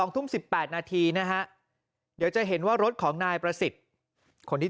๒ทุ่ม๑๘นาทีนะฮะเดี๋ยวจะเห็นว่ารถของนายประสิทธิ์คนที่